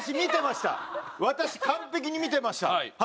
私完璧に見てました。